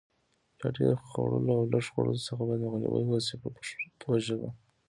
له ډېر خوړلو او لږ خوړلو څخه باید مخنیوی وشي په پښتو ژبه.